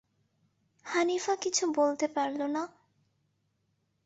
হানিফা কিছু বলতে পারল না।